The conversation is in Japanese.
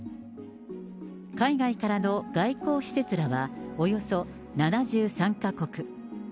海外からの外交使節らは、およそ７３か国。